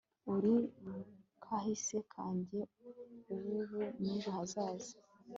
uri kahise kanjye, uwubu, nejo hazaza